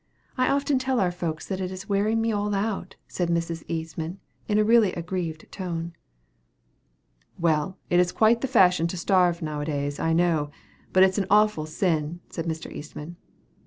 I often tell our folks that it is wearing me all out," said Mrs. Eastman, in a really aggrieved tone. "Well, it is quite the fashion to starve, now a days, I know; but it is an awful sin," said Mr. Eastman.